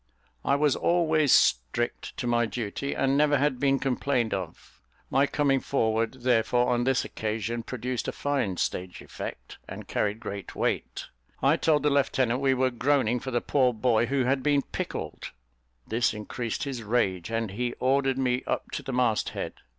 I was always strict to my duty, and never had been complained of; my coming forward, therefore, on this occasion, produced a fine stage effect, and carried great weight. I told the lieutenant we were groaning for the poor boy who had been pickled. This increased his rage, and he ordered me up to the mast head.